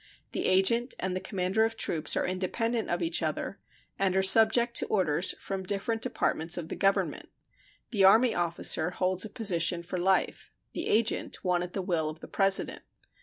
The agent and the commander of troops are independent of each other, and are subject to orders from different Departments of the Government. The army officer holds a position for life; the agent, one at the will of the President.